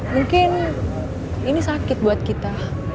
mungkin ini sakit buat kita